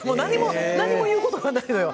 何も言うことがないのよ。